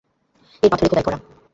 এর পাথরে খোদাই করা।